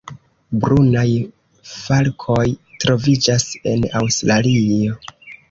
Brunaj falkoj troviĝas en Aŭstralio.